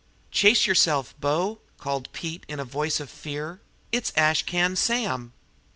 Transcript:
"Chase yerse'f, bo!" called Pete in a voice of fear. "It's Ash Can Sam!"